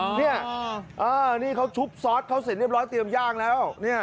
นี่นี่เขาชุบซอสเขาเสร็จเรียบร้อยเตรียมย่างแล้ว